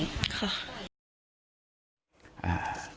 ค่ะ